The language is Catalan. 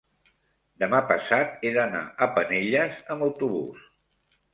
demà passat he d'anar a Penelles amb autobús.